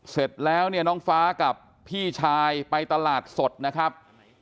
เสร็จแล้วเนี่ยน้องฟ้ากับพี่ชายไปตลาดสดนะครับ